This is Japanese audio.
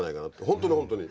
本当に本当に。